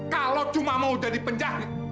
kalau cuma mau jadi penjahit